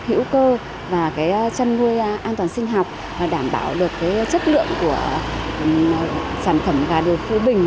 hữu cơ và cái chăn nuôi an toàn sinh học và đảm bảo được cái chất lượng của sản phẩm gà đồi phú bình